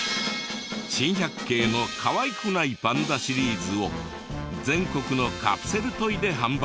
『珍百景』のかわいくないパンダシリーズを全国のカプセルトイで販売中。